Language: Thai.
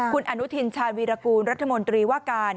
คุณอนุทินชาญวีรกูลรัฐมนตรีว่าการ